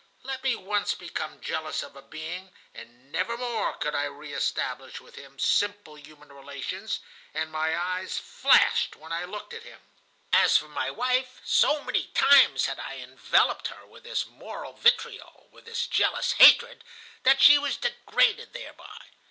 Let me once become jealous of a being, and nevermore could I re establish with him simple human relations, and my eyes flashed when I looked at him. "As for my wife, so many times had I enveloped her with this moral vitriol, with this jealous hatred, that she was degraded thereby.